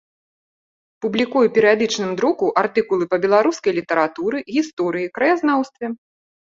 Публікуе ў перыядычным друку артыкулы па беларускай літаратуры, гісторыі, краязнаўстве.